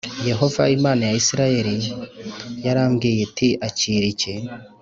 Yehova Imana ya Isirayeli yarambwiye ati akira iki